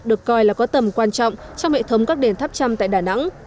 được coi là có tầm quan trọng trong hệ thống các đền tháp chăm tại đà nẵng